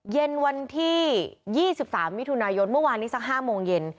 เย็นวันที่๒๓มิถุนายนเมื่อวานนี้สัก๕โมงเย็น